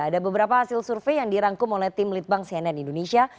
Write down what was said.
ada beberapa hasil survei yang dirangkum oleh tim litbang cnn indonesia